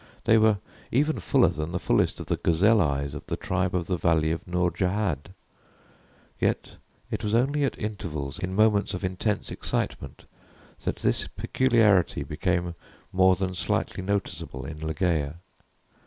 They were even fuller than the fullest of the gazelle eyes of the tribe of the valley of Nourjahad. Yet it was only at intervals in moments of intense excitement that this peculiarity became more than slightly noticeable in Ligeia.